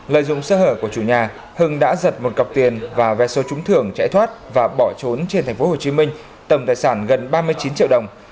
lợi dụng sơ hở của chủ nhà hưng đã giật một cọc tiền và vé số trúng thưởng trẻ thoát và bỏ trốn trên thành phố hồ chí minh tầm tài sản gần ba mươi chín triệu đồng